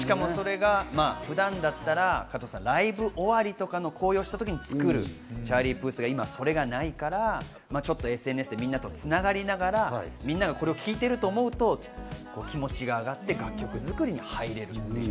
普段だったら、加藤さん、ライブ終わりとかの高揚したときに作るチャーリー・プースが今、それがないから、ちょっとＳＮＳでみんなとつながりながら、みんなが聴いていると思うと気持ちが上がって楽曲作りに入れるという。